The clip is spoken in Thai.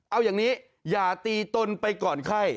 เอาอย่างนี้อย่าตีตนไปก่อนไข้